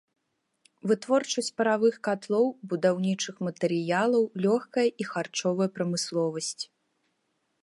Вытворчасць паравых катлоў, будаўнічых матэрыялаў, лёгкая і харчовая прамысловасць.